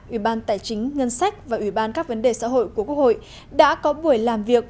ủy ban tài chính ngân sách và ủy ban các vấn đề xã hội của quốc hội đã có buổi làm việc